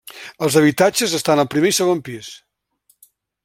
Els habitatges estan al primer i segon pis.